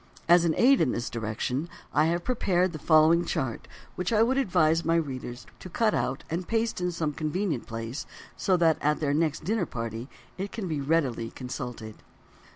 As an aid in this direction I have prepared the following chart which I would advise all my readers to cut out and paste in some convenient place so that at their next dinner party it can be readily consulted.